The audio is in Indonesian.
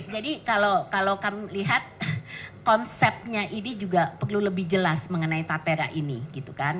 jadi kalau kamu lihat konsepnya ini juga perlu lebih jelas mengenai tapera ini gitu kan